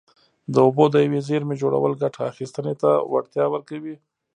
د اوبو د یوې زېرمې جوړول ګټه اخیستنې ته وړتیا ورکوي.